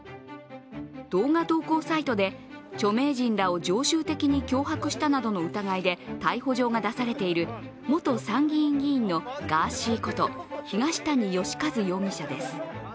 動画投稿サイトで著名人らを常習的に脅迫したなどの疑いで逮捕状が出されている元参議院議員のガーシーこと東谷義和容疑者です。